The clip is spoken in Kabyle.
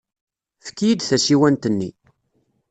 Efk-iyi-d tasiwant-nni.